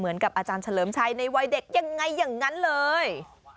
เหมือนกับอาจารย์เฉลิมชัยในวัยเด็กยังไงอย่างนั้นเลย